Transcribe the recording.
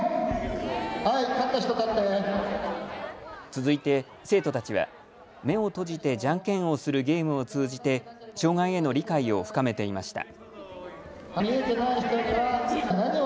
続いて生徒たちは目を閉じてじゃんけんをするゲームを通じて障害への理解を深めていました。